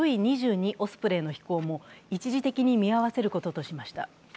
オスプレイの飛行も一時的に見合わせることとしました。